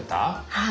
はい。